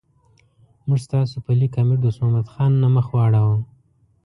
موږ ستاسو په لیک امیر دوست محمد خان نه مخ واړاو.